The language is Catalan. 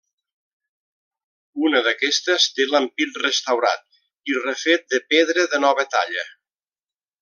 Una d'aquestes té l'ampit restaurat i refet de pedra de nova talla.